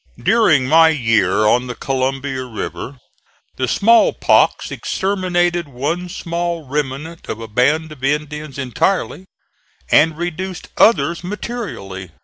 During my year on the Columbia River, the small pox exterminated one small remnant of a band of Indians entirely, and reduced others materially.